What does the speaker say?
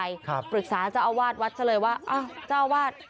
เรียกเกินไปครับปรึกษาเจ้าอาวาสวัดเฉลยว่าอ้าวเจ้าอาวาส